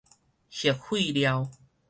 核廢料